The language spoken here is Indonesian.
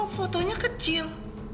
lo foto untuk makan